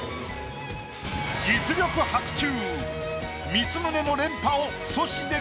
実力伯仲！